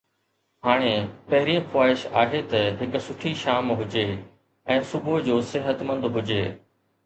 هاڻي، پهرين خواهش آهي ته هڪ سٺي شام هجي ۽ صبح جو صحتمند هجي.